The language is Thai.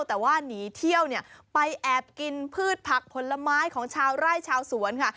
แต่ว่าหนีเที่ยวเนี่ยไปแอบกินพืชผักผลไม้ของชาวไร่ชาวสวนค่ะ